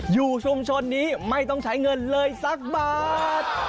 อยู่ชุมชนนี้ไม่ต้องใช้เงินเลยสักบาท